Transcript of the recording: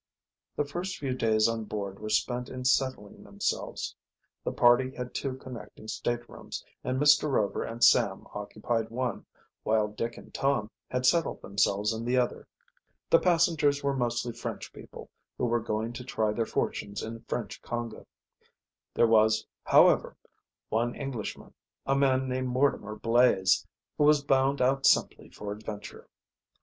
The first few days on board were spent in settling themselves. The party had two connecting staterooms, and Mr. Rover and Sam occupied one, while Dick and Tom had settled themselves in the other. The passengers were mostly French people, who were going to try their fortunes in French Congo. There was, however, one Englishman, a man named Mortimer Blaze, who was bound out simply for adventure.